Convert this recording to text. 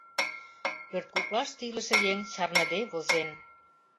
Пӧрткоклаште илыше еҥ чарныде возен.